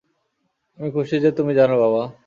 আমি খুশি যে তুমি জানো, বাবা।